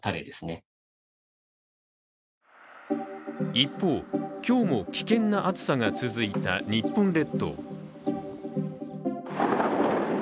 一方、今日も危険な暑さが続いた日本列島。